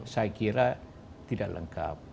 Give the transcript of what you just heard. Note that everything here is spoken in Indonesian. saya kira tidak lengkap